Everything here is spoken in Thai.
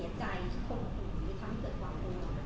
เราจะได้รายงานของการทำบุลลียง